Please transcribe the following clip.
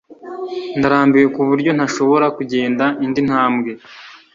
Ndarambiwe kuburyo ntashobora kugenda indi ntambwe.